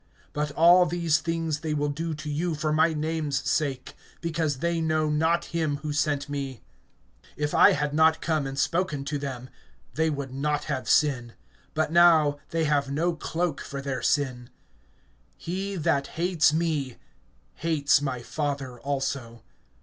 (21)But all these things they will do to you for my name's sake, because they know not him who sent me. (22)If I had not come and spoken to them, they would not have sin; but now they have no cloak for their sin. (23)He that hates me hates my Father also.